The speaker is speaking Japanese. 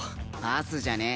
パスじゃね？